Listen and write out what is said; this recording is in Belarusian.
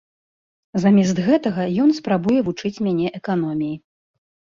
Замест гэтага ён спрабуе вучыць мяне эканоміі.